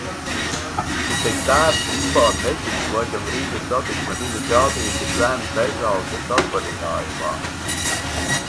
Bet tēvs vispār netic, lai gan Rīgas Satiksme viņu gādīgi dzen bezalgas atvaļinājumā.